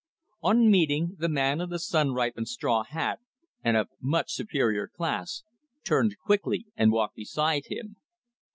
On meeting, the man in the sun ripened straw hat, and of much superior class, turned quickly and walked beside him.